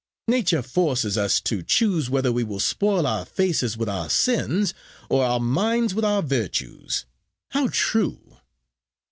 Nature forces us to choose whether we will spoil our faces with our sins, or our minds with our virtues. How true."